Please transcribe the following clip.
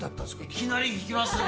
いきなり聞きますね。